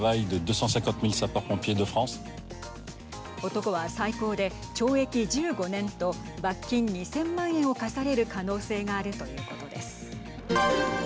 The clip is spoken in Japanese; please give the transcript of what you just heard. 男は、最高で懲役１５年と罰金２０００万円を科される可能性があるということです。